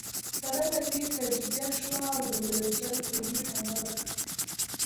سره له دې تجزیه شوه او د ویرجن خوني حمام شوه.